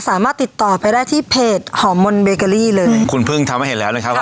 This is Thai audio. สามารถติดต่อไปได้ที่เพจหอมมนเบเกอรี่เลยคุณพึ่งทำให้เห็นแล้วนะครับว่า